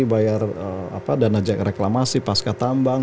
bayar dana reklamasi pasca tambang